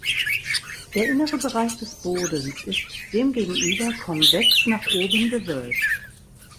Der innere Bereich des Bodens ist demgegenüber konvex nach oben gewölbt.